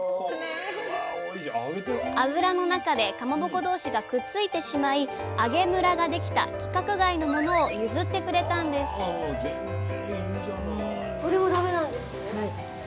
油の中でかまぼこ同士がくっついてしまい揚げムラができた規格外のものを譲ってくれたんですまあ